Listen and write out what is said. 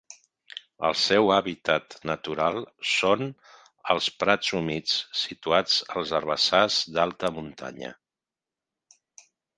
El seu hàbitat natural són els prats humits situats als herbassars d'alta muntanya.